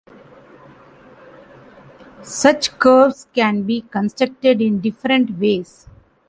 Such curves can be constructed in different ways.